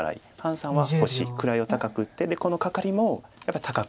潘さんは星位を高く打ってでこのカカリもやっぱり高く打って。